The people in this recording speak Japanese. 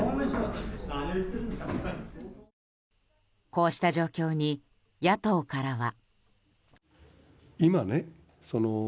こうした状況に野党からは。